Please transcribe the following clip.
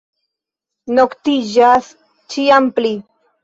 Noktiĝas ĉiam pli.